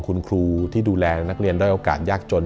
คุณครูที่ดูแลนักเรียนด้อยโอกาสยากจน